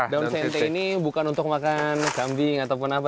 daun sente ini bukan untuk makan kambing ataupun apa